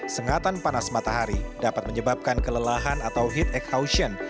sengatan panas matahari dapat menyebabkan kelelahan atau heat exhaustion